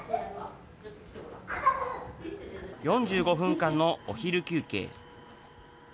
４５分間のお昼休憩。